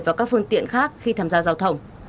và các phương tiện khác khi tham gia giao thông